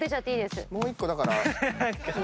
もう１個だから。